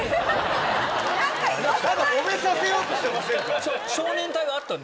何かもめさせようとしてませんか？